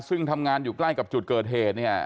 ซึ่งทำงานอยู่ใกล้กับจุดเกิดเหตุเนี่ย